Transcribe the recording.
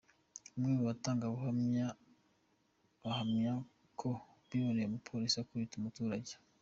Umwe mu batangabuhamya bahamya ko biboneye umupolisi akubita umuturage.